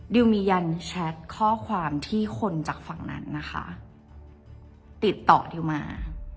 ดิวมีการแชทข้อความที่คนจากฝั่งนั้นนะคะติดต่อดิวมา